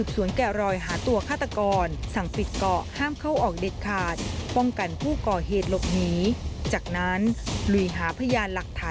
สวัสดีค่ะ